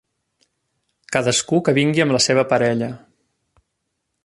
Cadascú que vingui amb la seva parella.